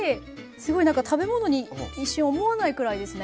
すごい何か食べ物に一瞬思わないくらいですね。